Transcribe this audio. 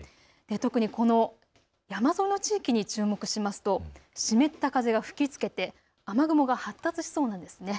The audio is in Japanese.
特にこの山沿いの地域に注目しますと湿った風が吹きつけて雨雲が発達しそうなんです。